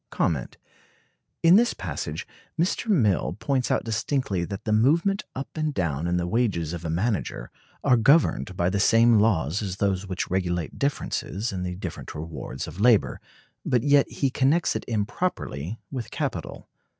In this passage Mr. Mill points out distinctly that the movement up and down in the wages of a manager are governed by the same laws as those which regulate differences in the different rewards of labor, but yet he connects it improperly with capital.